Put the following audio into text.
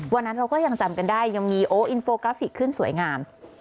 วันนั้นเราก็ยังจำกันได้ยังมีโออินโฟกราฟิกขึ้นสวยงาม